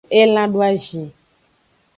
Elan doazin.